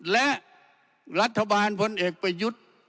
และรัฐบาลพลเอกประยุทธ์